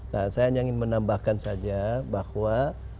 nah saya hanya ingin menambahkan saja bahwa